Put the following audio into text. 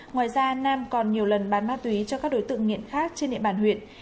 ngoài ra nam còn nhiều lần bán ma túy cho các đối tượng nghiện khác trên địa bàn huyện